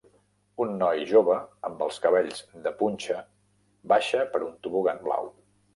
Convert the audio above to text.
Un noi jove amb els cabells de punxa baixa per un tobogan blau.